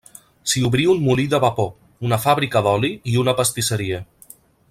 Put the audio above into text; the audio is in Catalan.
S'hi obrí un molí de vapor, una fàbrica d'oli i una pastisseria.